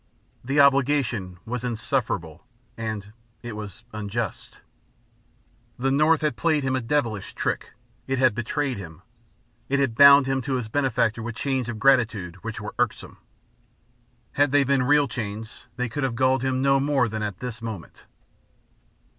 The obligation was insufferable, and it was unjust. The North had played him a devilish trick, it had betrayed him, it had bound him to his benefactor with chains of gratitude which were irksome. Had they been real chains they could have galled him no more than at this moment.